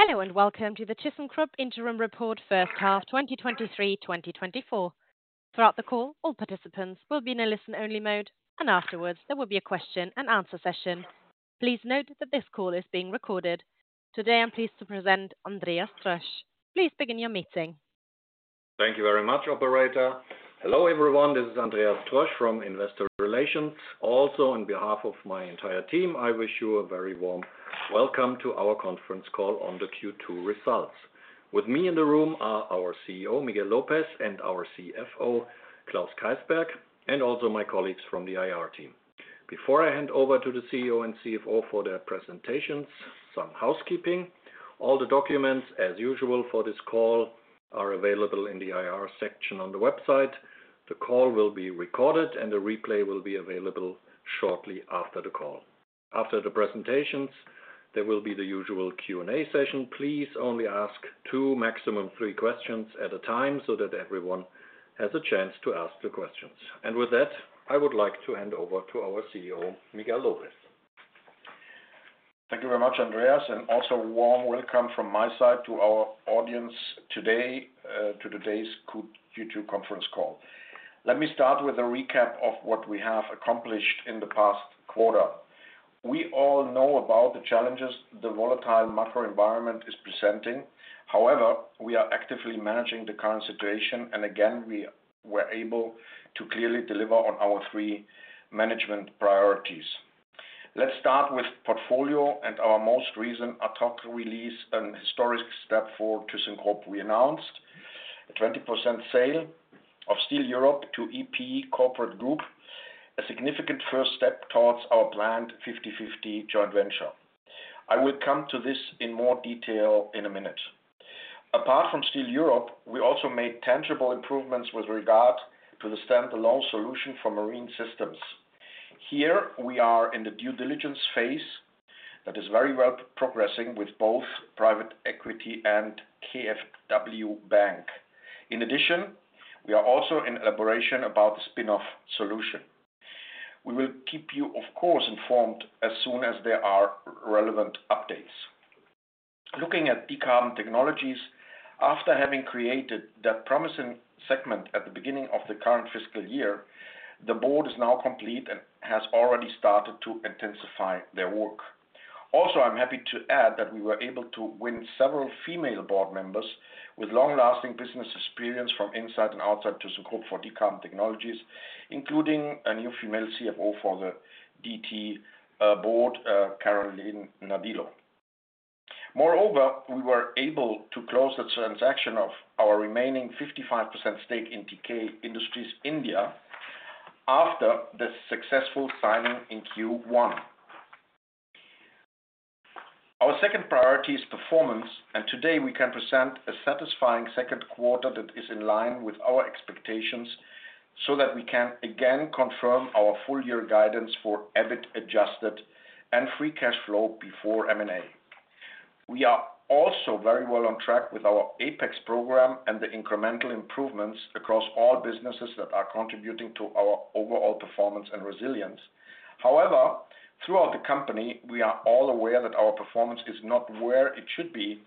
Hello, and welcome to the thyssenkrupp Interim Report, First hHalf, 2023/2024. Throughout the call, all participants will be in a listen-only mode, and afterwards, there will be a question-and-answer session. Please note that this call is being recorded. Today, I'm pleased to present Andreas Trösch. Please begin your meeting. Thank you very much, operator. Hello, everyone, this is Andreas Trösch from Investor Relations. Also, on behalf of my entire team, I wish you a very warm welcome to our conference call on the Q2 results. With me in the room are our CEO, Miguel López, and our CFO, Klaus Keysberg, and also my colleagues from the IR team. Before I hand over to the CEO and CFO for their presentations, some housekeeping. All the documents, as usual for this call, are available in the IR section on the website. The call will be recorded, and the replay will be available shortly after the call. After the presentations, there will be the usual Q&A session. Please only ask two, maximum three questions at a time so that everyone has a chance to ask the questions. And with that, I would like to hand over to our CEO, Miguel López. Thank you very much, Andreas, and also a warm welcome from my side to our audience today, to today's Q2 conference call. Let me start with a recap of what we have accomplished in the past quarter. We all know about the challenges the volatile macro environment is presenting. However, we are actively managing the current situation, and again, we were able to clearly deliver on our three management priorities. Let's start with portfolio and our most recent, ad hoc release, an historic step for thyssenkrupp. We announced a 20% sale of Steel Europe to EP Corporate Group, a significant first step towards our planned 50/50 joint venture. I will come to this in more detail in a minute. Apart from Steel Europe, we also made tangible improvements with regard to the stand-alone solution for Marine Systems. Here, we are in the due diligence phase that is very well progressing with both private equity and KfW Bank. In addition, we are also in elaboration about the spin-off solution. We will keep you, of course, informed as soon as there are relevant updates. Looking at Decarbon Technologies, after having created that promising segment at the beginning of the current fiscal year, the board is now complete and has already started to intensify their work. Also, I'm happy to add that we were able to win several female board members with long-lasting business experience from inside and outside thyssenkrupp for Decarbon Technologies, including a new female CFO for the DT, board, Carolin Nadilo. Moreover, we were able to close the transaction of our remaining 55% stake in TK Industries India, after the successful signing in Q1. Our second priority is performance, and today we can present a satisfying second quarter that is in line with our expectations, so that we can again confirm our full year guidance for EBIT adjusted and free cash flow before M&A. We are also very well on track with our APEX program and the incremental improvements across all businesses that are contributing to our overall performance and resilience. However, throughout the company, we are all aware that our performance is not where it should be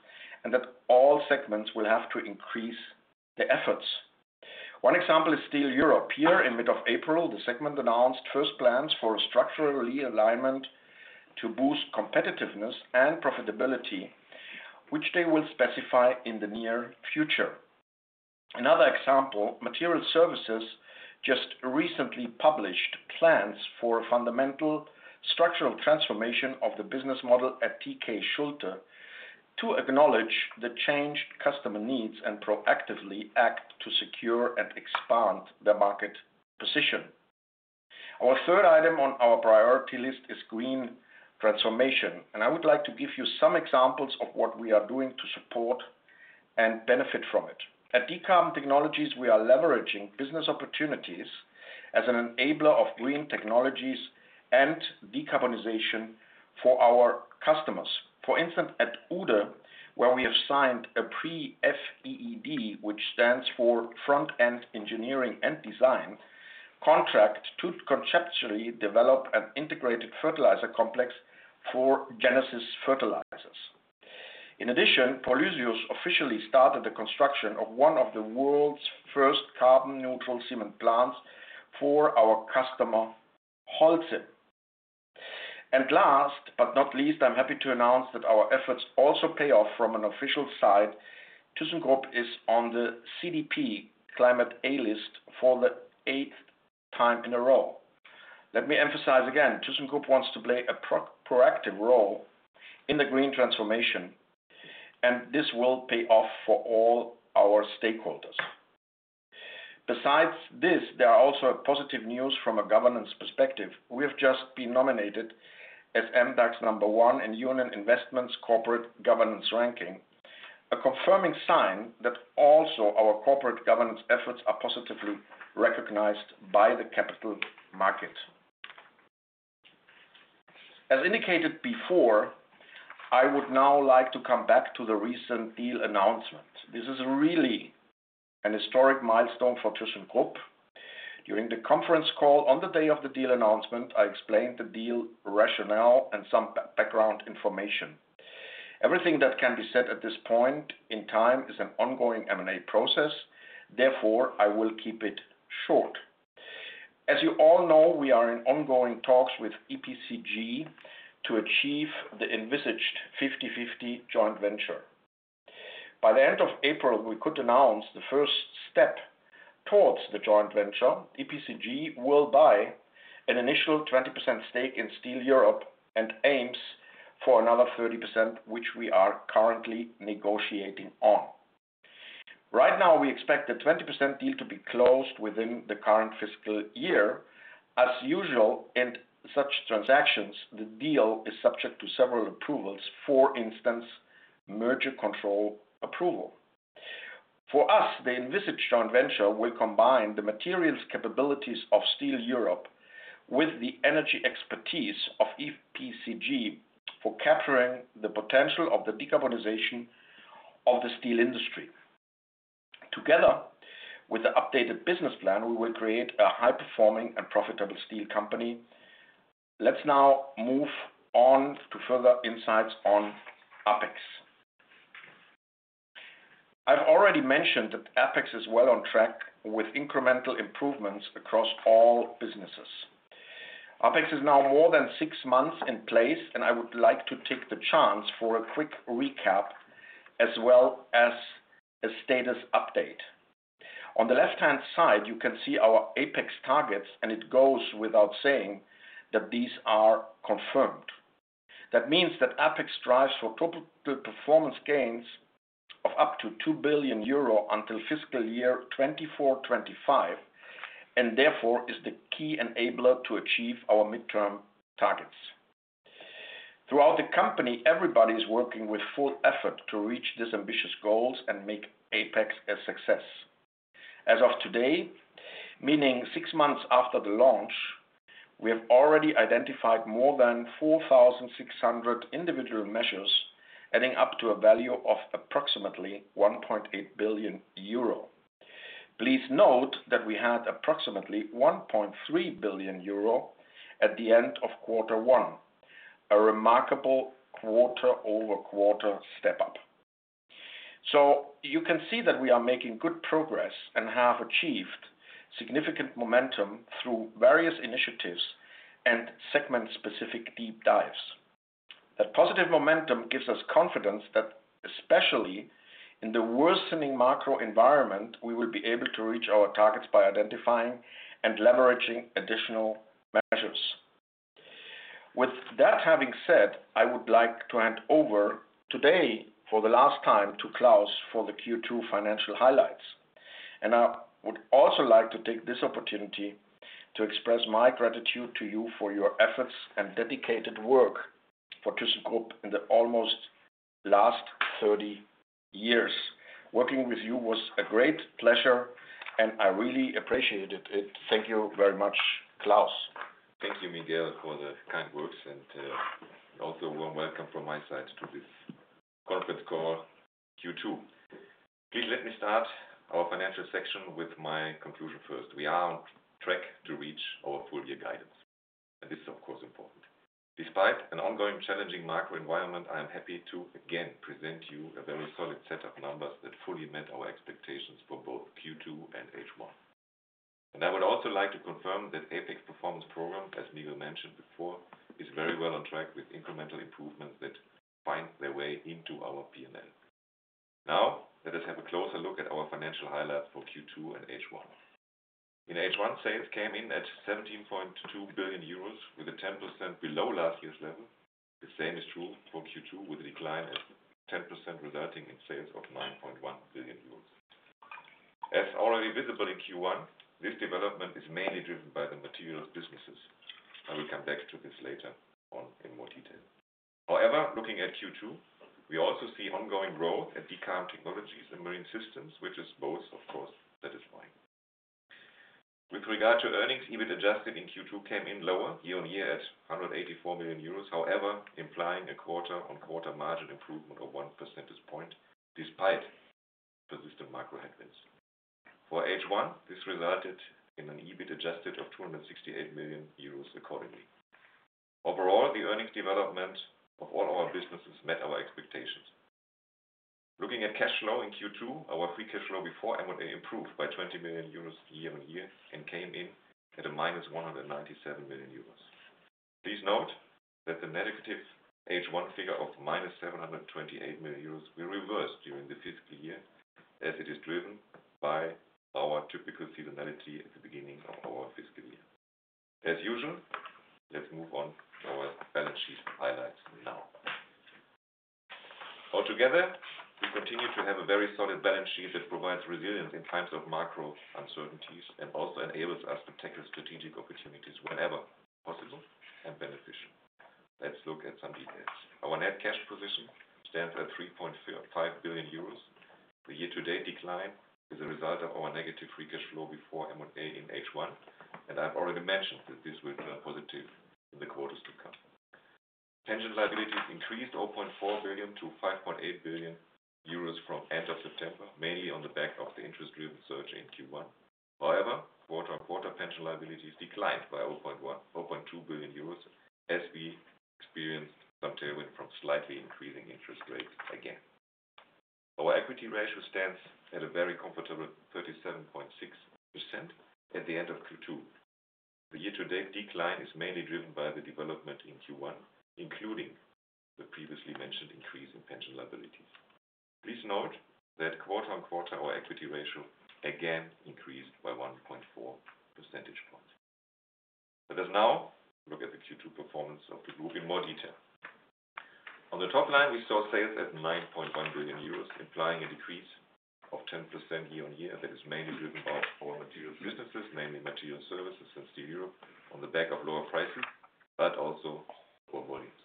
and that all segments will have to increase the efforts. One example is Steel Europe. Here, in mid of April, the segment announced first plans for a structural realignment to boost competitiveness and profitability, which they will specify in the near future. Another example, Materials Services, just recently published plans for a fundamental structural transformation of the business model at TK Schulte to acknowledge the changed customer needs and proactively act to secure and expand the market position. Our third item on our priority list is green transformation, and I would like to give you some examples of what we are doing to support and benefit from it. At Decarbon Technologies, we are leveraging business opportunities as an enabler of green technologies and decarbonization for our customers. For instance, at Uhde, where we have signed a pre-FEED, which stands for Front-End Engineering and Design, contract to conceptually develop an integrated fertilizer complex for Genesis Fertilizers. In addition, Polysius officially started the construction of one of the world's first carbon neutral cement plants for our customer, Holcim. And last but not least, I'm happy to announce that our efforts also pay off from an official side. Thyssenkrupp is on the CDP Climate A List for the eighth time in a row. Let me emphasize again, Thyssenkrupp wants to play a proactive role in the green transformation, and this will pay off for all our stakeholders. Besides this, there are also positive news from a governance perspective. We have just been nominated as MDAX number one in Union Investment's corporate governance ranking, a confirming sign that also our corporate governance efforts are positively recognized by the capital market. As indicated before, I would now like to come back to the recent deal announcement. This is really an historic milestone for Thyssenkrupp.... During the conference call on the day of the deal announcement, I explained the deal rationale and some background information. Everything that can be said at this point in time is an ongoing M&A process, therefore, I will keep it short. As you all know, we are in ongoing talks with EPCG to achieve the envisaged 50/50 joint venture. By the end of April, we could announce the first step towards the joint venture. EPCG will buy an initial 20% stake in Steel Europe and aims for another 30%, which we are currently negotiating on. Right now, we expect the 20% deal to be closed within the current fiscal year. As usual, in such transactions, the deal is subject to several approvals, for instance, merger control approval. For us, the envisaged joint venture will combine the materials capabilities of Steel Europe with the energy expertise of EPCG for capturing the potential of the decarbonization of the steel industry. Together, with the updated business plan, we will create a high-performing and profitable steel company. Let's now move on to further insights on APEX. I've already mentioned that APEX is well on track, with incremental improvements across all businesses. APEX is now more than six months in place, and I would like to take the chance for a quick recap, as well as a status update. On the left-hand side, you can see our APEX targets, and it goes without saying that these are confirmed. That means that APEX strives for total performance gains of up to 2 billion euro until fiscal year 2024, 2025, and therefore is the key enabler to achieve our midterm targets. Throughout the company, everybody is working with full effort to reach these ambitious goals and make APEX a success. As of today, meaning six months after the launch, we have already identified more than 4,600 individual measures, adding up to a value of approximately 1.8 billion euro. Please note that we had approximately 1.3 billion euro at the end of quarter one, a remarkable quarter-over-quarter step up. So you can see that we are making good progress and have achieved significant momentum through various initiatives and segment-specific deep dives. That positive momentum gives us confidence that, especially in the worsening macro environment, we will be able to reach our targets by identifying and leveraging additional measures. With that having said, I would like to hand over today for the last time to Klaus for the Q2 financial highlights. I would also like to take this opportunity to express my gratitude to you for your efforts and dedicated work for thyssenkrupp in the almost last 30 years. Working with you was a great pleasure, and I really appreciated it. Thank you very much, Klaus. Thank you, Miguel, for the kind words, and also warm welcome from my side to this conference call, Q2. Please let me start our financial section with my conclusion first. We are on track to reach our full year guidance, and this is, of course, important. Despite an ongoing challenging macro environment, I am happy to, again, present you a very solid set of numbers that fully met our expectations for both Q2 and H1. And I would also like to confirm that APEX performance program, as Miguel mentioned before, is very well on track with incremental improvements that find their way into our P&L. Now, let us have a closer look at our financial highlights for Q2 and H1. In H1, sales came in at 17.2 billion euros, with a 10% below last year's level. The same is true for Q2, with a decline at 10%, resulting in sales of 9.1 billion euros. As already visible in Q1, this development is mainly driven by the materials businesses. I will come back to this later on in more detail. However, looking at Q2, we also see ongoing growth at Decarbon Technologies and Marine Systems, which is both, of course, satisfying. With regard to earnings, EBIT adjusted in Q2 came in lower year-on-year at 184 million euros, however, implying a quarter-on-quarter margin improvement of one percentage point, despite persistent macro headwinds. For H1, this resulted in an EBIT adjusted of 268 million euros accordingly. Overall, the earnings development of all our businesses met our expectations. Looking at cash flow in Q2, our free cash flow before M&A improved by 20 million euros year-on-year and came in at -197 million euros. Please note that the negative H1 figure of -728 million euros will reverse during the fiscal year, as it is driven by our typical seasonality at the beginning of our fiscal year. As usual, let's move on to our balance sheet highlights now. Altogether, we continue to have a very solid balance sheet that provides resilience in times of macro uncertainties and also enables us to tackle strategic opportunities whenever possible and beneficial. Let's look at some details. Our net cash position stands at 3.5 billion euros. The year-to-date decline is a result of our negative free cash flow before M&A in H1, and I've already mentioned that this will turn positive in the quarters to come. Pension liabilities increased 0.4 billion to 5.8 billion euros from end of September, mainly on the back of the interest-driven surge in Q1. However, quarter-on-quarter, pension liabilities declined by 0.1-0.2 billion euros, as we experienced some tailwind from slightly increasing interest rates again. Our equity ratio stands at a very comfortable 37.6% at the end of Q2. The year-to-date decline is mainly driven by the development in Q1, including the previously mentioned increase in pension liabilities. Please note that quarter-on-quarter, our equity ratio again increased by 1.4 percentage points. Let us now look at the Q2 performance of the group in more detail. On the top line, we saw sales at 9.1 billion euros, implying a decrease of 10% year-on-year. That is mainly driven by our materials businesses, mainly Materials Services and Steel Europe, on the back of lower prices, but also low volumes.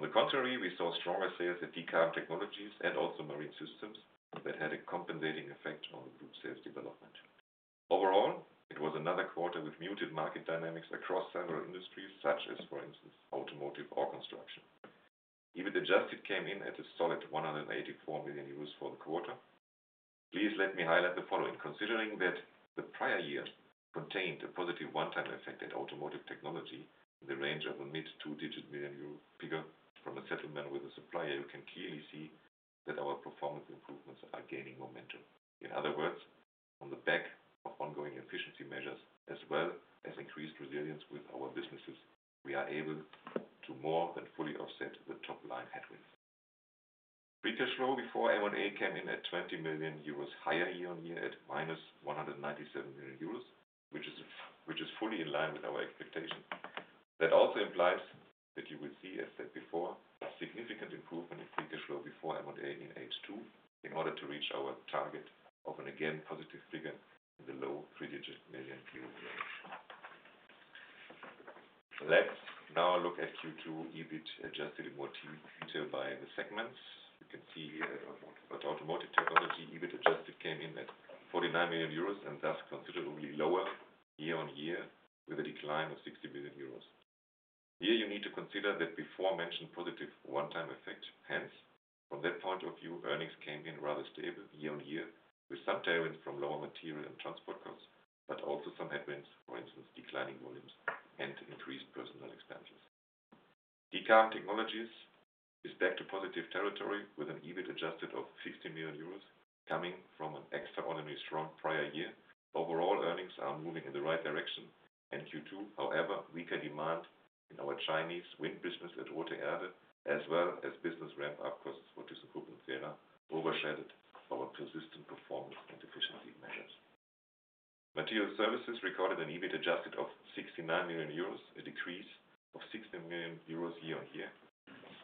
On the contrary, we saw stronger sales at Decarbon Technologies and also Marine Systems, that had a compensating effect on the group sales development. Overall, it was another quarter with muted market dynamics across several industries, such as, for instance, automotive or construction. EBIT adjusted came in at a solid 184 million euros for the quarter. Please let me highlight the following: considering that the prior year contained a positive one-time effect at Automotive Technology in the range of a mid-2-digit million EUR figure from a settlement with a supplier, you can clearly see that our performance improvements are gaining momentum. In other words, on the back of ongoing efficiency measures, as well as increased resilience with our businesses, we are able to more than fully offset the top line headwinds. Free cash flow before M&A came in at 20 million euros, higher year-on-year, at -197 million euros, which is fully in line with our expectation. That also implies that you will see, as said before, a significant improvement in free cash flow before M&A in H2, in order to reach our target of an again, positive figure in the low 3-digit million EUR range. Let's now look at Q2 EBIT adjusted in more detail by the segments. You can see here that Automotive Technology EBIT adjusted came in at 49 million euros and thus considerably lower year-on-year, with a decline of 60 million euros. Here, you need to consider that before mentioned, positive one-time effect. Hence, from that point of view, earnings came in rather stable year-on-year, with some tailwinds from lower material and transport costs, but also some headwinds, for instance, declining volumes and increased personnel expenses. Decarbon Technologies is back to positive territory with an EBIT adjusted of 15 million euros coming from an extraordinary strong prior year. Overall, earnings are moving in the right direction. In Q2, however, weaker demand in our Chinese wind business at rothe erde, as well as business ramp-up costs for thyssenkrupp nucera, overshadowed our persistent performance and efficiency measures. Material Services recorded an EBIT adjusted of 69 million euros, a decrease of 60 million euros year-on-year.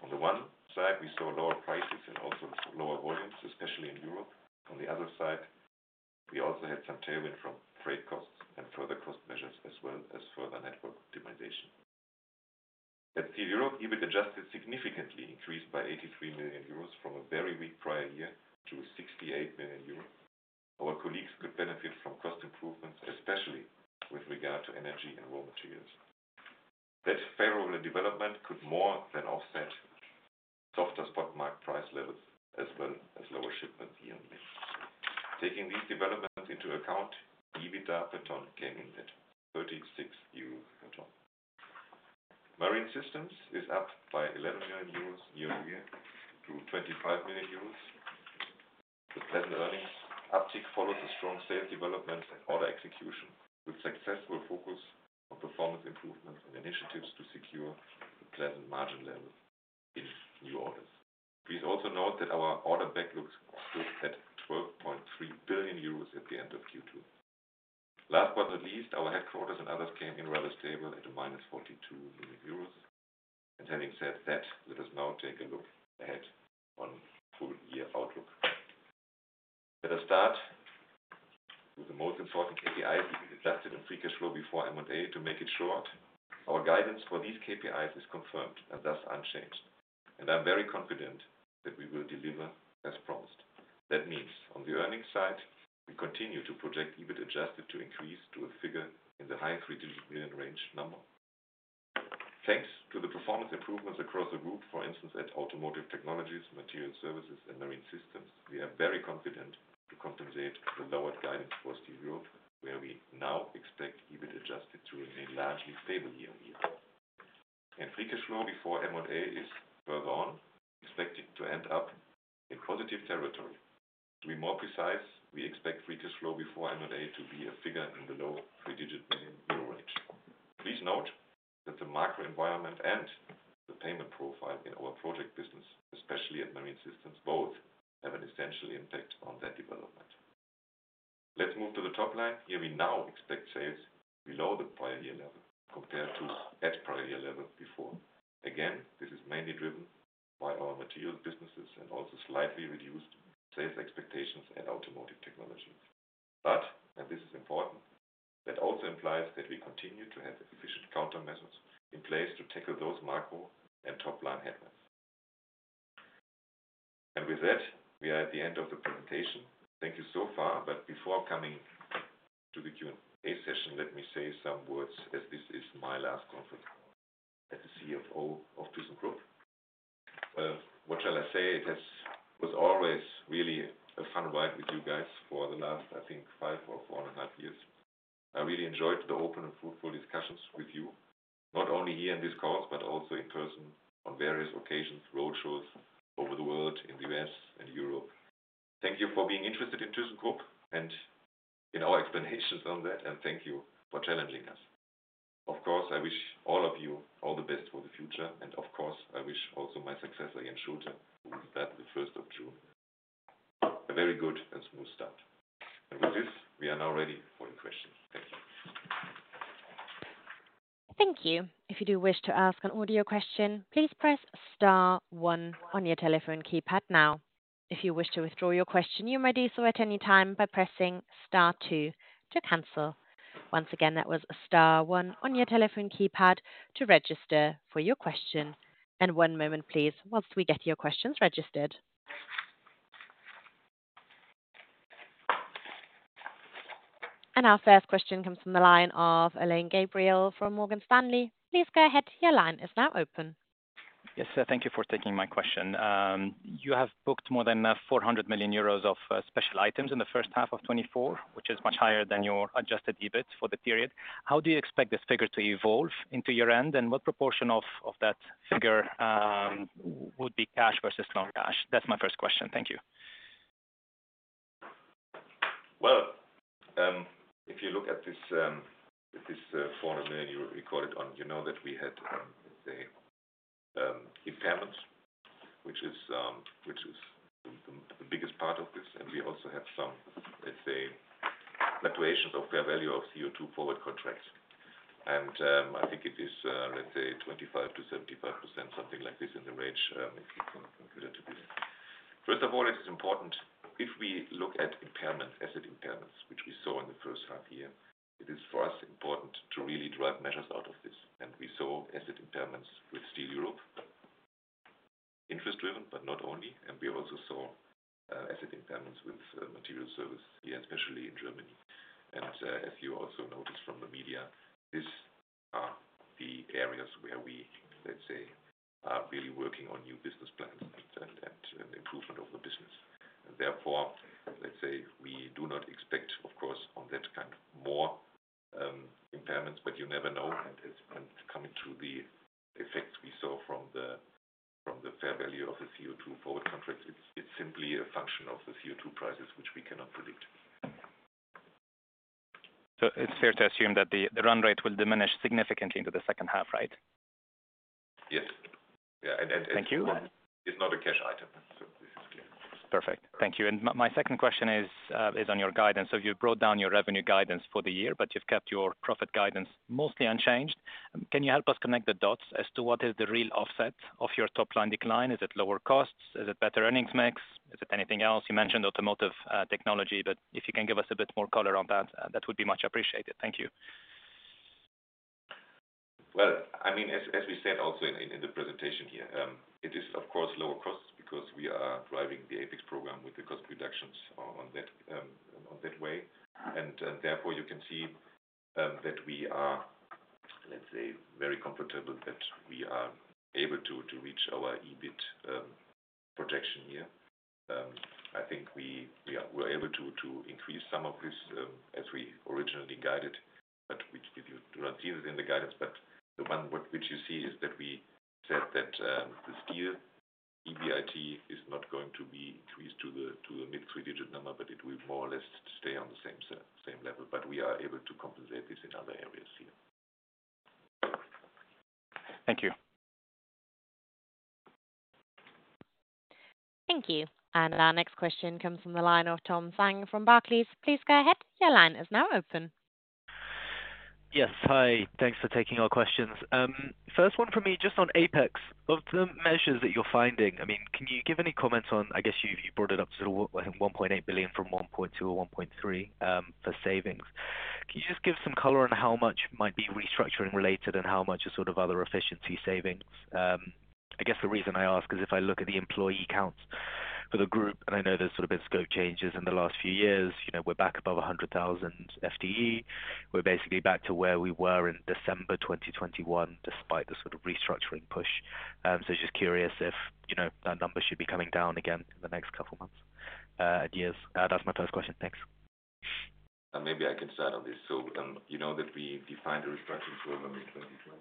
On the one side, we saw lower prices and also lower volumes, especially in Europe. On the other side, we also had some tailwind from freight costs and further cost measures, as well as further network optimization. At Steel Europe, EBIT adjusted significantly increased by 83 million euros from a very weak prior year to 68 million euros. Our colleagues could benefit from cost improvements, especially with regard to energy and raw materials. That favorable development could more than offset softer spot market price levels, as well as lower shipments year-on-year. Taking these developments into account, EBITDA per ton came in at 36 euro per ton. Marine Systems is up by 11 million euros year-on-year to 25 million euros. The pleasant earnings uptick follows a strong sales development and order execution, with successful focus on performance improvements and initiatives to secure the pleasant margin level in new orders. Please also note that our order backlogs stood at 12.3 billion euros at the end of Q2. Last but not least, our headquarters and others came in rather stable at -42 million euros. And having said that, let us now take a look ahead on full year outlook. Let us start with the most important KPIs, adjusted and free cash flow before M&A to make it short. Our guidance for these KPIs is confirmed and thus unchanged, and I'm very confident that we will deliver as promised. That means on the earnings side, we continue to project EBIT adjusted to increase to a figure in the high three-digit million EUR range number. Thanks to the performance improvements across the group, for instance, at Automotive Technologies, Materials Services and Marine Systems, we are very confident to compensate the lowered guidance for Steel Europe, where we now expect EBIT adjusted to remain largely stable year-on-year. Free cash flow before M&A is further on expected to end up in positive territory. To be more precise, we expect free cash flow before M&A to be a figure in the low three-digit million EUR range. Please note that the market environment and the payment profile in our project business, especially at Marine Systems, both have an essential impact on that development. Let's move to the top line. Here, we now expect sales below the prior year level compared to the prior year level before. Again, this is mainly driven by our materials businesses and also slightly reduced sales expectations at Automotive Technologies. But, and this is important, that also implies that we continue to have efficient countermeasures in place to tackle those macro and top line headwinds. And with that, we are at the end of the presentation. Thank you so far, but before coming to the Q&A session, let me say some words, as this is my last conference as the CFO of thyssenkrupp. Well, what shall I say? It has always really a fun ride with you guys for the last, I think, 5 or 4.5 years. I really enjoyed the open and fruitful discussions with you, not only here in this call, but also in person on various occasions, road shows over the world, in the U.S. and Europe. Thank you for being interested in thyssenkrupp and in our explanations on that, and thank you for challenging us. Of course, I wish all of you all the best for the future, and of course, I wish also my successor, Jens Schulte, who will start the first of June, a very good and smooth start. With this, we are now ready for the questions. Thank you. Thank you. If you do wish to ask an audio question, please press star one on your telephone keypad now. If you wish to withdraw your question, you may do so at any time by pressing star two to cancel. Once again, that was star one on your telephone keypad to register for your question. And one moment, please, while we get your questions registered. And our first question comes from the line of Alain Gabriel from Morgan Stanley. Please go ahead. Your line is now open. Yes, sir, thank you for taking my question. You have booked more than 400 million euros of special items in the first half of 2024, which is much higher than your adjusted EBIT for the period. How do you expect this figure to evolve into year-end? And what proportion of that figure would be cash versus non-cash? That's my first question. Thank you. Well, if you look at this, at this 400 million you recorded on, you know that we had, let's say, impairment, which is the biggest part of this. And we also have some, let's say, maturation of fair value of CO2 forward contracts. And I think it is, let's say 25%-75%, something like this in the range, if you can consider to be. First of all, it is important if we look at impairment, asset impairments, which we saw in the first half year. It is, for us, important to really drive measures out of this. And we saw asset impairments with Steel Europe, interest-driven, but not only, and we also saw asset impairments with Materials Services, especially in Germany. As you also noticed from the media, these are the areas where we, let's say, are really working on new business plans and improvement of the business. Therefore, let's say we do not expect, of course, on that kind of more impairments, but you never know. Coming to the effects we saw from the fair value of the CO2 forward contracts, it's simply a function of the CO2 prices, which we cannot predict. It's fair to assume that the run rate will diminish significantly into the second half, right? Yes. Yeah, Thank you. It's not a cash item, so this is clear. Perfect. Thank you. And my second question is on your guidance. So you've brought down your revenue guidance for the year, but you've kept your profit guidance mostly unchanged. Can you help us connect the dots as to what is the real offset of your top line decline? Is it lower costs? Is it better earnings mix? Is it anything else? You mentioned automotive technology, but if you can give us a bit more color on that, that would be much appreciated. Thank you. Well, I mean, as we said, also in the presentation here, it is of course lower costs because we are driving the APEX program with the cost reductions on that way. And therefore, you can see that we are, let's say, very comfortable that we are able to reach our EBIT projection here. I think we are able to increase some of this as we originally guided, but which you do not see this in the guidance. But the one which you see is that we said that the steel EBIT is not going to be increased to the mid three-digit number, but it will more or less stay on the same level. But we are able to compensate this in other areas here. Thank you. Thank you. Our next question comes from the line of Tom Zhang from Barclays. Please go ahead. Your line is now open. Yes. Hi, thanks for taking our questions. First one for me, just on APEX. Of the measures that you're finding, I mean, can you give any comments on... I guess you, you brought it up to 1.8 billion from 1.2 billion or 1.3 billion, for savings. Can you just give some color on how much might be restructuring related and how much is sort of other efficiency savings? I guess the reason I ask is if I look at the employee counts for the group, and I know there's sort of been scope changes in the last few years, you know, we're back above 100,000 FTE. We're basically back to where we were in December 2021, despite the sort of restructuring push. So just curious if, you know, that number should be coming down again in the next couple months, years. That's my first question. Thanks. Maybe I can start on this. So, you know that we defined the restructuring program in 2020.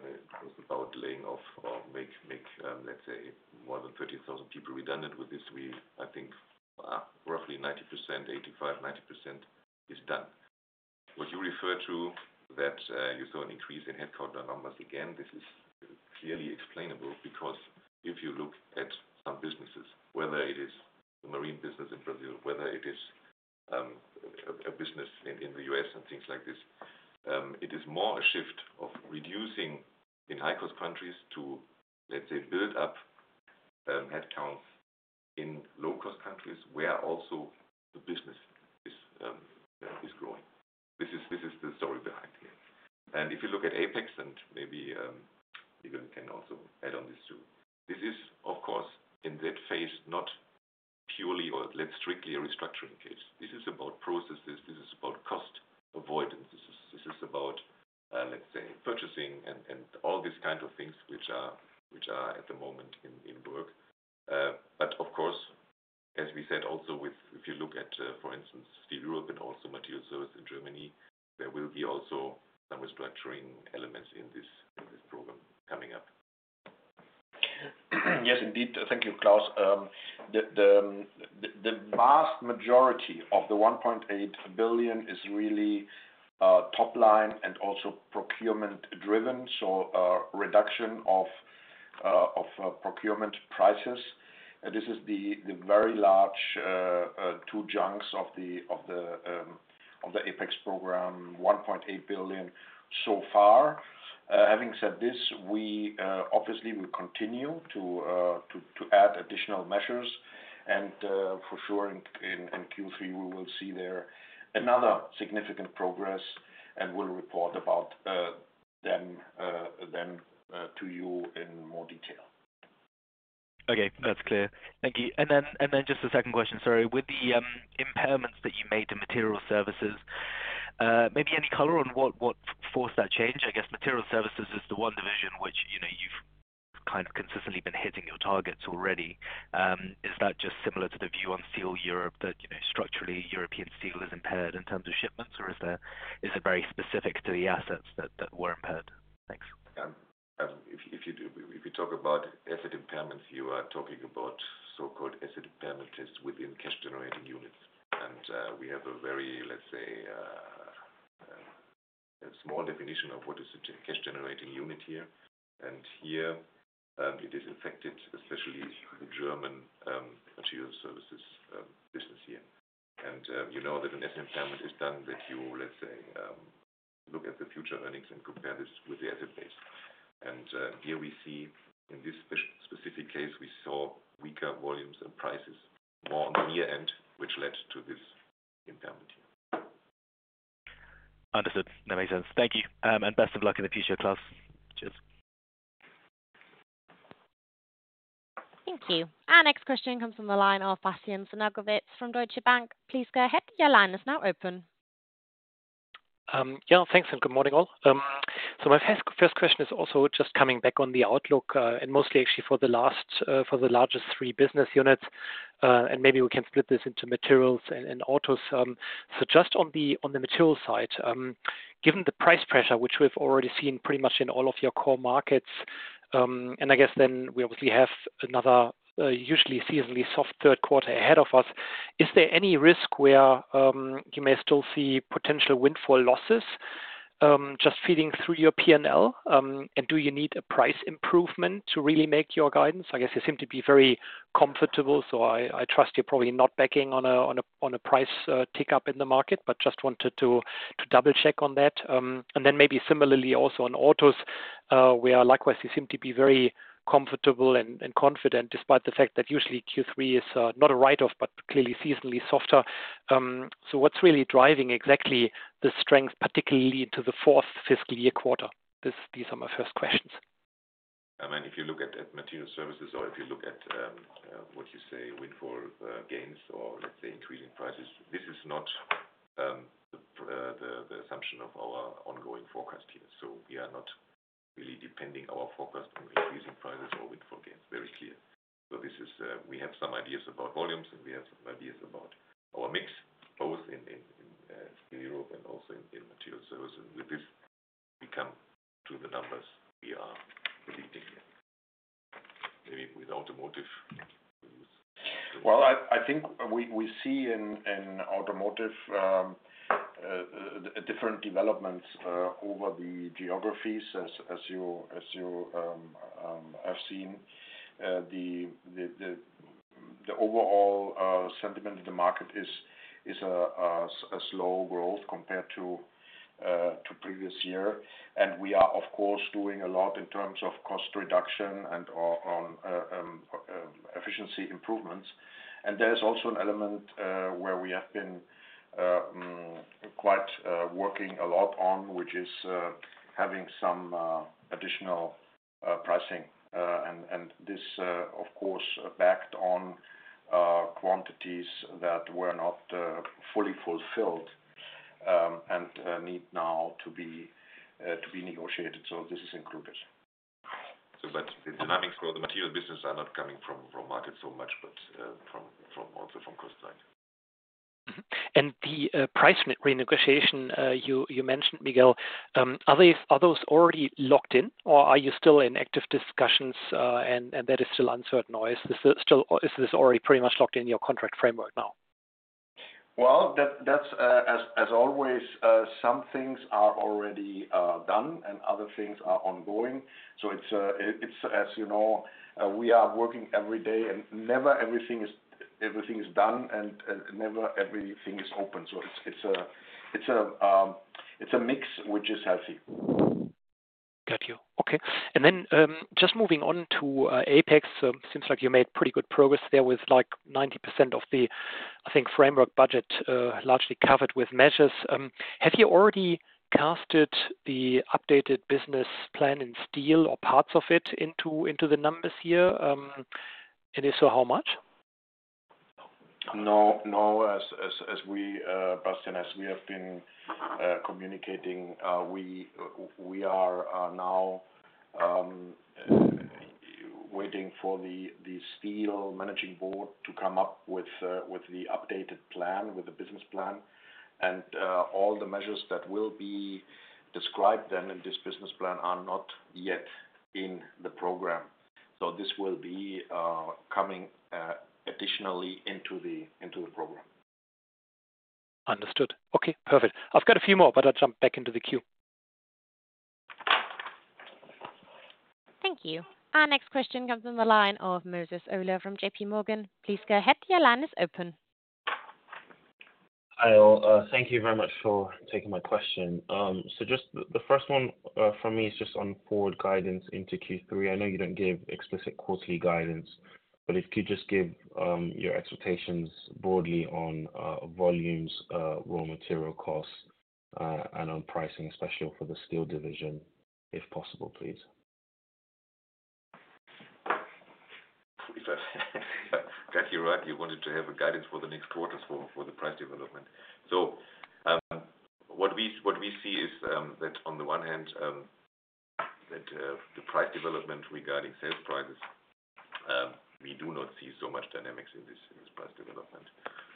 It was about laying off or make, make, let's say more than 13,000 people redundant. With this, we, I think, are roughly 85%-90% done. What you refer to that, you saw an increase in headcount numbers. Again, this is clearly explainable because if you look at some businesses, whether it is the marine business in Brazil, whether it is, a business in the US and things like this, it is more a shift of reducing in high-cost countries to, let's say, build up headcounts in low-cost countries where also the business is growing. This is the story behind. And if you look at APEX, and maybe you can also add on this, too. This is, of course, in that phase, not purely or let's strictly a restructuring case. This is about processes, this is about cost avoidance. This is about, let's say, purchasing and all these kinds of things which are at the moment in work. But of course, as we said, also, if you look at, for instance, Steel Europe and also Materials Services in Germany, there will be also some restructuring elements in this program coming up. Yes, indeed. Thank you, Klaus. The vast majority of the 1.8 billion is really top line and also procurement-driven, so reduction of procurement prices. This is the very large two chunks of the APEX program, 1.8 billion so far. Having said this, we obviously will continue to add additional measures. And for sure, in Q3, we will see there another significant progress and we'll report about them to you in more detail. Okay, that's clear. Thank you. And then, and then just a second question, sorry. With the impairments that you made in Materials Services, maybe any color on what, what forced that change? I guess, Materials Services is the one division which, you know, you've kind of consistently been hitting your targets already. Is that just similar to the view on Steel Europe, that, you know, structurally European steel is impaired in terms of shipments, or is that, is it very specific to the assets that, that were impaired? Thanks. If you talk about asset impairments, you are talking about so-called asset impairment tests within cash generating units. We have a very, let's say, a small definition of what is a cash generating unit here. And here, it is affected, especially the German Materials Services business here. You know that an asset impairment is done, that you, let's say, look at the future earnings and compare this with the asset base. Here we see in this specific case, we saw weaker volumes and prices more on the year-end, which led to this impairment here. Understood. That makes sense. Thank you. Best of luck in the future, Klaus. Cheers. Thank you. Our next question comes from the line of Bastian Synagowitz from Deutsche Bank. Please go ahead. Your line is now open. Yeah, thanks, and good morning, all. So my first question is also just coming back on the outlook, and mostly actually for the largest three business units. And maybe we can split this into materials and autos. So just on the material side, given the price pressure, which we've already seen pretty much in all of your core markets, and I guess then we obviously have another usually seasonally soft third quarter ahead of us, is there any risk where you may still see potential windfall losses just feeding through your PNL? And do you need a price improvement to really make your guidance? I guess you seem to be very comfortable, so I trust you're probably not backing on a price tick up in the market, but just wanted to double-check on that. And then maybe similarly, also on autos, where likewise, you seem to be very comfortable and confident, despite the fact that usually Q3 is not a write-off, but clearly seasonally softer. So what's really driving exactly the strength, particularly into the fourth fiscal year quarter? These are my first questions. I mean, if you look at material services or if you look at what you say, windfall gains, or let's say, increasing prices, this is not the assumption of our ongoing forecast here. So we are not really depending our forecast on increasing prices or windfall gains. Very clear. So this is, we have some ideas about volumes, and we have some ideas about our mix, both in Europe and also in material services. With this, we come to the numbers we are believing in. Maybe with automotive. Well, I think we see in automotive different developments over the geographies as you have seen. The overall sentiment in the market is a slow growth compared to previous year. And we are, of course, doing a lot in terms of cost reduction and on efficiency improvements. And there is also an element where we have been quite working a lot on, which is having some additional pricing, and this of course backed on quantities that were not fully fulfilled and need now to be negotiated. So this is included. But the dynamics for the material business are not coming from the market so much, but also from the cost side. The price renegotiation you mentioned, Miguel, are they, are those already locked in, or are you still in active discussions, and that is still uncertain, or is this already pretty much locked in your contract framework now? Well, that's as always, some things are already done and other things are ongoing. So it's, as you know, we are working every day and never everything is done and never everything is open. So it's a mix which is healthy.... Okay, and then, just moving on to, APEX, seems like you made pretty good progress there with like 90% of the, I think, framework budget, largely covered with measures. Have you already casted the updated business plan in steel or parts of it into, into the numbers here? And if so, how much? No, no, as we, Bastian, as we have been communicating, we are now waiting for the steel managing board to come up with the updated plan, with the business plan. And all the measures that will be described then in this business plan are not yet in the program. So this will be coming additionally into the program. Understood. Okay, perfect. I've got a few more, but I'll jump back into the queue. Thank you. Our next question comes from the line of Moses Ola from J.P. Morgan. Please go ahead, your line is open. Hi all, thank you very much for taking my question. So just the first one for me is just on forward guidance into Q3. I know you don't give explicit quarterly guidance, but if you just give your expectations broadly on volumes, raw material costs, and on pricing, especially for the steel division, if possible, please. If I got you right, you wanted to have a guidance for the next quarters for the price development. So, what we see is that on the one hand, the price development regarding sales prices, we do not see so much dynamics in this price development.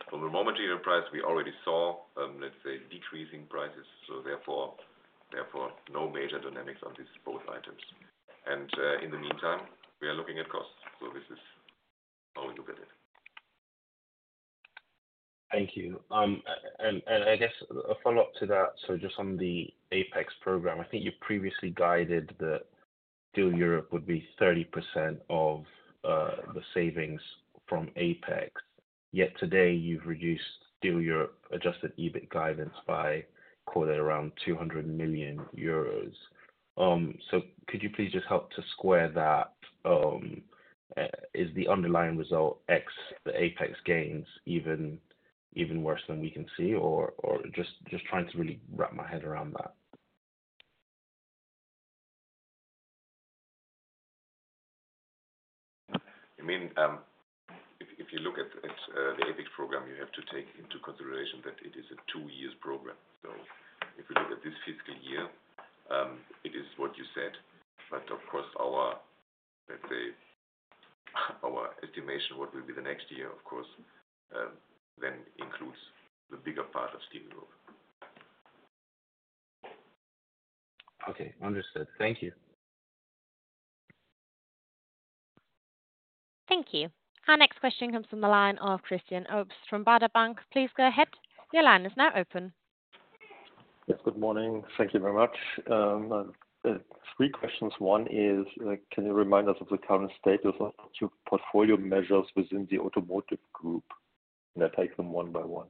From the raw material price, we already saw, let's say, decreasing prices, so therefore no major dynamics on these both items. In the meantime, we are looking at costs. So this is how we look at it. Thank you. And I guess a follow-up to that, so just on the APEX program, I think you previously guided that Steel Europe would be 30% of the savings from APEX. Yet today, you've reduced Steel Europe adjusted EBIT guidance by, call it, around 200 million euros. So could you please just help to square that? Is the underlying result X, the APEX gains, even worse than we can see, or just trying to really wrap my head around that. You mean, if you look at the APEX program, you have to take into consideration that it is a two years program. So if you look at this fiscal year, it is what you said. But of course, our, let's say, our estimation, what will be the next year, of course, then includes the bigger part of Steel Europe. Okay, understood. Thank you. Thank you. Our next question comes from the line of Christian Obst from Baader Bank. Please go ahead. Your line is now open. Yes, good morning. Thank you very much. Three questions. One is, can you remind us of the current status of your portfolio measures within the automotive group? I take them one by one.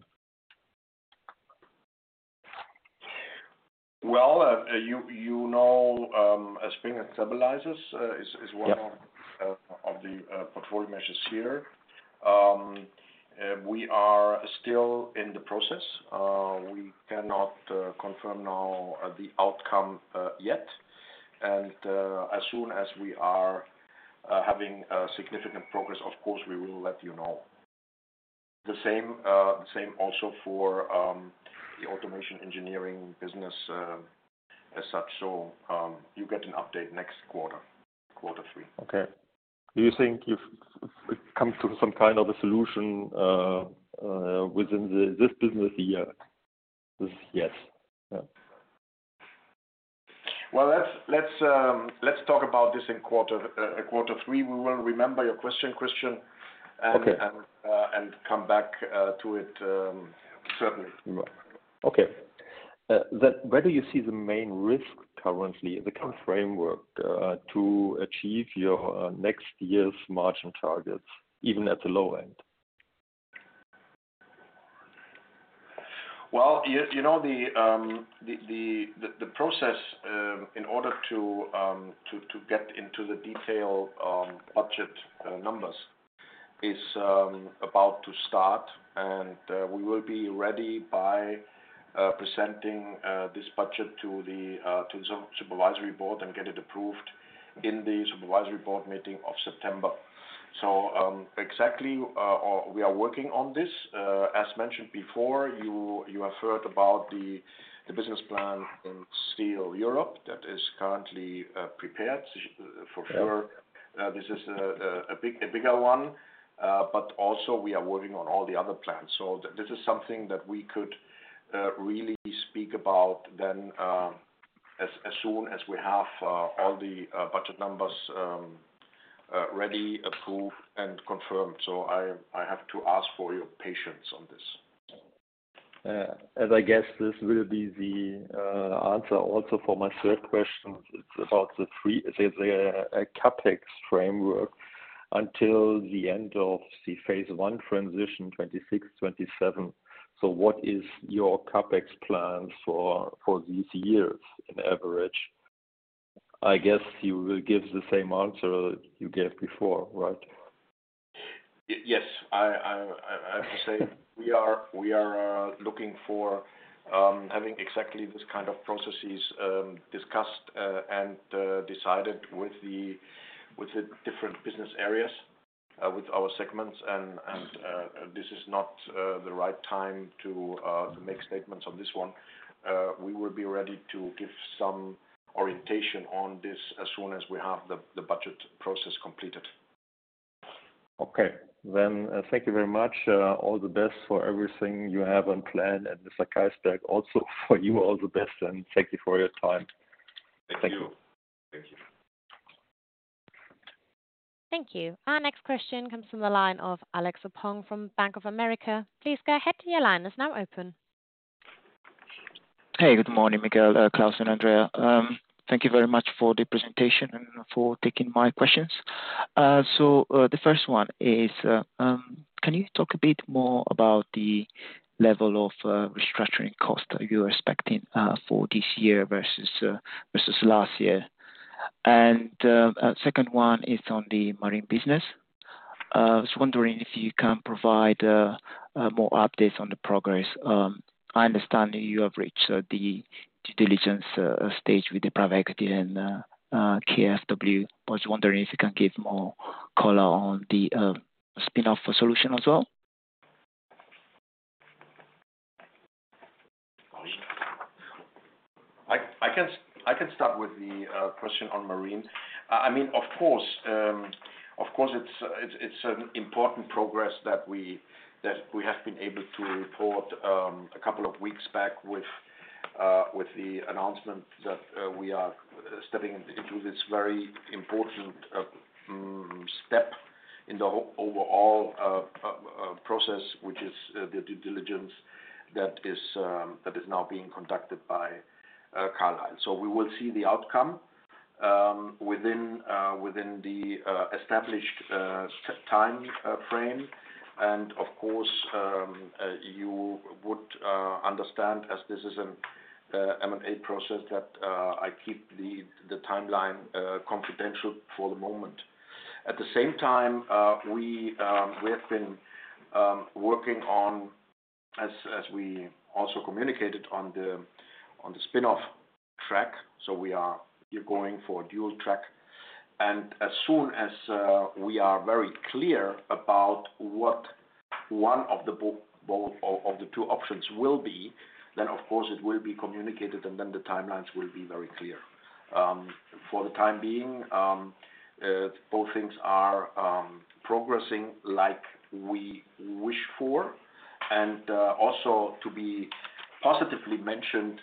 Well, you know, as Springs and Stabilizers is one of- Yeah... of the portfolio measures here. We are still in the process. We cannot confirm now the outcome yet. And, as soon as we are having significant progress, of course, we will let you know. The same, the same also for the Automation Engineering business, as such. So, you get an update next quarter, quarter three. Okay. Do you think you've come to some kind of a solution within this business year? Just yet, yeah. Well, let's talk about this in quarter three. We will remember your question, Christian, and- Okay... and come back to it, certainly. Okay. Where do you see the main risk currently, the kind of framework to achieve your next year's margin targets, even at the low end? Well, you know, the process in order to get into the detailed budget numbers is about to start. And, we will be ready by presenting this budget to the supervisory board and get it approved in the supervisory board meeting of September. So, exactly, we are working on this. As mentioned before, you have heard about the business plan in Steel Europe that is currently prepared. Sh- Yeah. For sure, this is a big, a bigger one, but also we are working on all the other plans. So this is something that we could really speak about then, as soon as we have all the budget numbers ready, approved, and confirmed. So I have to ask for your patience on this. As I guess this will be the answer also for my third question. It's about the three, the CapEx framework until the end of the phase one transition, 2026, 2027.... So what is your CapEx plan for these years in average? I guess you will give the same answer you gave before, right? Yes, I have to say, we are looking for having exactly this kind of processes discussed and decided with the different business areas with our segments. And this is not the right time to make statements on this one. We will be ready to give some orientation on this as soon as we have the budget process completed. Okay. Thank you very much. All the best for everything you have on plan, and Mr. Keysberg, also for you, all the best, and thank you for your time. Thank you. Thank you. Thank you. Our next question comes from the line of Alex Oppong from Bank of America. Please go ahead, your line is now open. Hey, good morning, Miguel, Claus, and Andreas. Thank you very much for the presentation and for taking my questions. So, the first one is, can you talk a bit more about the level of restructuring costs that you are expecting for this year versus versus last year? And, second one is on the marine business. I was wondering if you can provide more updates on the progress. I understand you have reached the due diligence stage with the private equity and KfW. I was wondering if you can give more color on the spin-off solution as well. I can start with the question on marine. I mean, of course, of course, it's an important progress that we have been able to report a couple of weeks back with the announcement that we are stepping into this very important step in the overall process, which is the due diligence that is now being conducted by Carlyle. So we will see the outcome within the established time frame. And of course, you would understand, as this is an M&A process that I keep the timeline confidential for the moment. At the same time, we have been working on as we also communicated on the spin-off track. So we are here going for a dual track. And as soon as we are very clear about what both of the two options will be, then, of course, it will be communicated, and then the timelines will be very clear. For the time being, both things are progressing like we wish for. And also to be positively mentioned,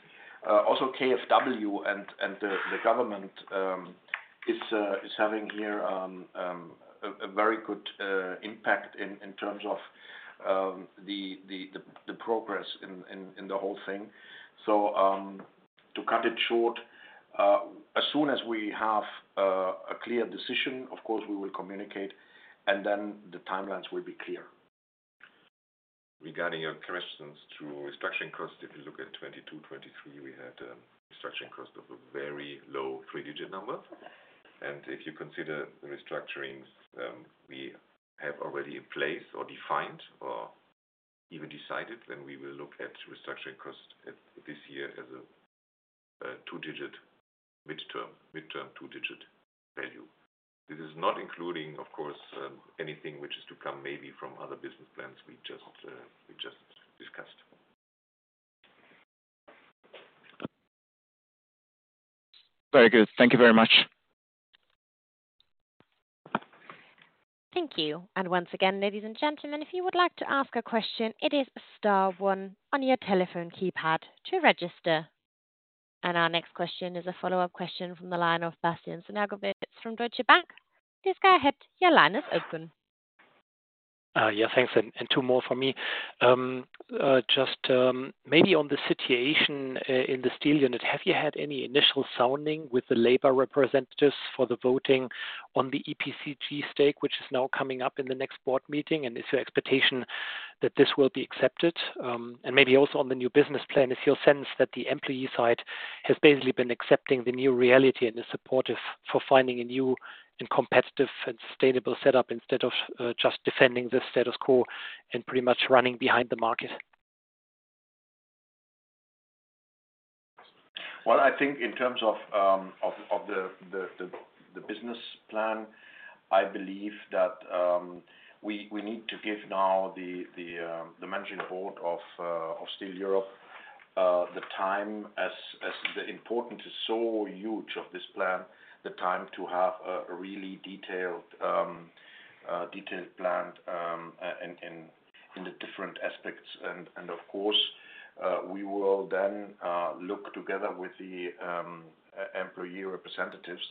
also KfW and the government is having here a very good impact in terms of the progress in the whole thing. So, to cut it short, as soon as we have a clear decision, of course, we will communicate, and then the timelines will be clear. Regarding your questions to restructuring costs, if you look at 2022, 2023, we had a restructuring cost of a very low three-digit number. If you consider the restructurings we have already in place or defined or even decided, then we will look at restructuring costs at this year as a two-digit midterm two-digit value. This is not including, of course, anything which is to come maybe from other business plans we just discussed. Very good. Thank you very much. Thank you. And once again, ladies and gentlemen, if you would like to ask a question, it is star one on your telephone keypad to register. Our next question is a follow-up question from the line of Bastian Synagowitz from Deutsche Bank. Please go ahead, your line is open. Yeah, thanks. And two more for me. Just maybe on the situation in the steel unit, have you had any initial sounding with the labor representatives for the voting on the EPCG stake, which is now coming up in the next board meeting? And is your expectation that this will be accepted? And maybe also on the new business plan, is your sense that the employee side has basically been accepting the new reality and is supportive for finding a new and competitive and sustainable setup instead of just defending the status quo and pretty much running behind the market? Well, I think in terms of the business plan, I believe that we need to give now the managing board of Steel Europe the time as the important is so huge of this plan, the time to have a really detailed plan, and in the different aspects. And of course, we will then look together with the employee representatives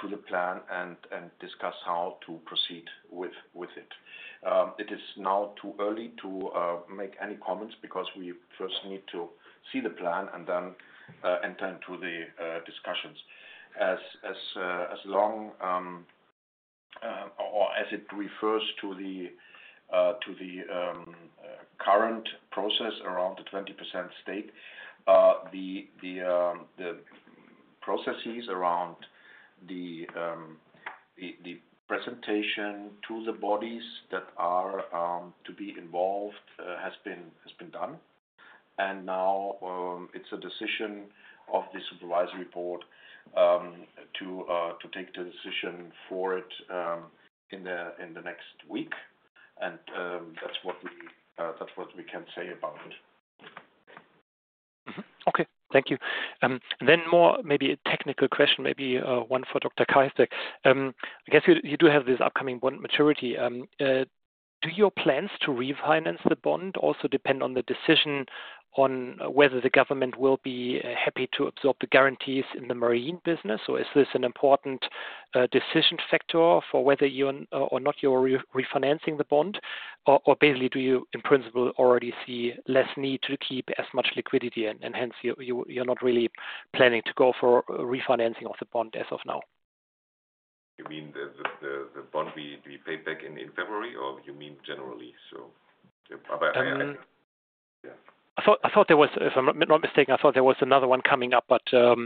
to the plan and discuss how to proceed with it. It is now too early to make any comments because we first need to see the plan and then enter into the discussions. As long,... or as it refers to the current process around the 20% stake, the processes around the presentation to the bodies that are to be involved has been done. And now, it's a decision of the supervisory board to take the decision for it in the next week. And that's what we can say about it. Mm-hmm. Okay. Thank you. And then more maybe a technical question, maybe, one for Dr. Keysberg. I guess you do have this upcoming bond maturity. Do your plans to refinance the bond also depend on the decision on whether the government will be happy to absorb the guarantees in the marine business? Or is this an important decision factor for whether you are or not re-refinancing the bond? Or basically, do you in principle already see less need to keep as much liquidity and hence you are not really planning to go for refinancing of the bond as of now? You mean the bond we paid back in February, or you mean generally so? But I, yeah. I thought there was... If I'm not mistaken, I thought there was another one coming up, but, There's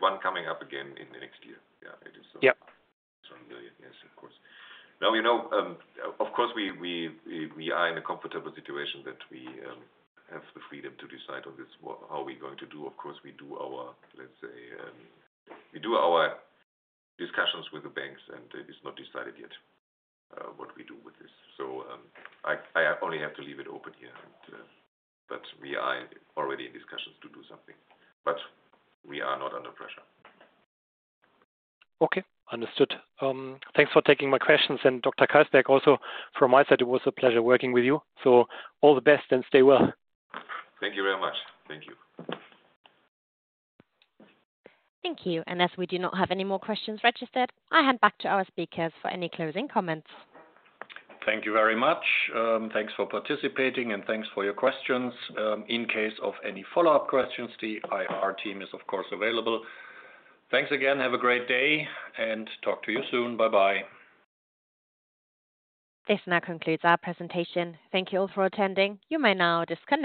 one coming up again in the next year. Yeah, it is so. Yeah. Yes, of course. Now, you know, of course, we are in a comfortable situation that we have the freedom to decide on this, what, how we going to do. Of course, we do our, let's say, we do our discussions with the banks, and it is not decided yet, what we do with this. So, I only have to leave it open here, and, but we are already in discussions to do something, but we are not under pressure. Okay, understood. Thanks for taking my questions. Dr. Keysberg, also from my side, it was a pleasure working with you. All the best, and stay well. Thank you very much. Thank you. Thank you. As we do not have any more questions registered, I hand back to our speakers for any closing comments. Thank you very much. Thanks for participating, and thanks for your questions. In case of any follow-up questions, the IR team is, of course, available. Thanks again. Have a great day, and talk to you soon. Bye-bye. This now concludes our presentation. Thank you all for attending. You may now disconnect.